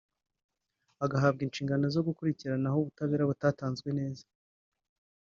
agahabwa inshingano zo gukurikirana aho ubutabera butatanzwe neza